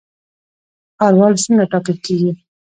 ښاروال څنګه ټاکل کیږي؟